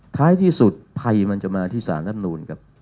ท้ายที่สุดภัยมันจะมาที่สารรัฐนูลครับ